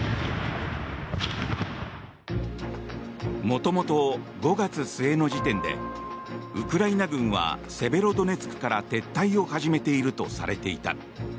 元々、５月末の時点でウクライナ軍はセベロドネツクから撤退を始めているとされていた。